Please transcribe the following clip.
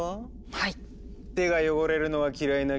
はい。